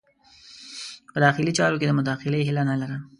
په داخلي چارو کې د مداخلې هیله نه لرم.